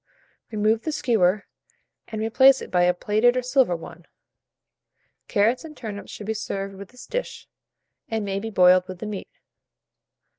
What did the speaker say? Remove the skewer, and replace it by a plated or silver one. Carrots and turnips should be served with this dish, and may be boiled with the meat.